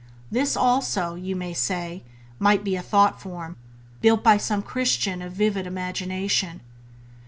This also, you may say, might be a thought form, built by some Christian of vivid imagination.